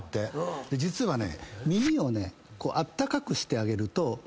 実はね。